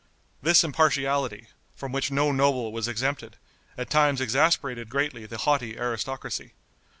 This impartiality, from which no noble was exempted, at times exasperated greatly the haughty aristocracy.